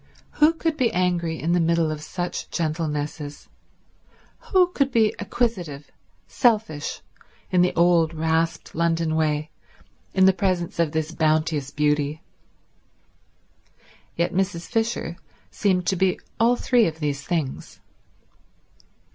Who could be angry in the middle of such gentlenesses? Who could be acquisitive, selfish, in the old rasped London way, in the presence of this bounteous beauty? Yet Mrs. Fisher seemed to be all three of these things.